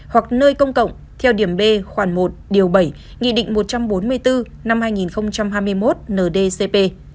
hoặc nơi công cộng theo điểm b khoảng một bảy một trăm bốn mươi bốn năm hai nghìn hai mươi một ndcp